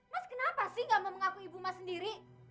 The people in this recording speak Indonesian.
mas kenapa sih gak mau mengakui ibu mas sendiri